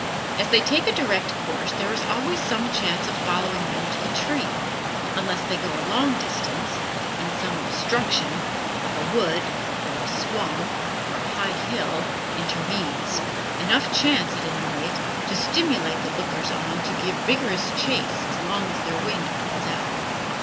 As they take a direct course, there is always some chance of following them to the tree, unless they go a long distance, and some obstruction, like a wood, or a swamp, or a high hill, intervenes enough chance, at any rate, to stimulate the lookers on to give vigorous chase as long as their wind holds out.